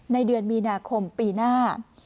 ในเดือนมีนาคมปีหน้า